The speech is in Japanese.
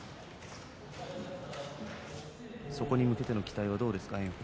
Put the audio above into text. そこに向けての期待はどうですか。